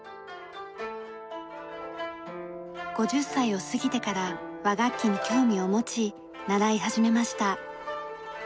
５０歳を過ぎてから和楽器に興味を持ち習い始めました。